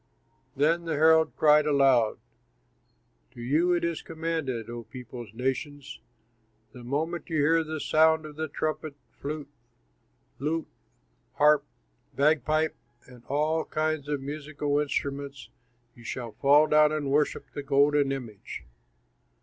Then the herald cried aloud, "To you it is commanded, O peoples, nations: 'The moment you hear the sound of the trumpet, flute, lute, harp, bagpipe, and all kinds of musical instruments, you shall fall down and worship the golden image.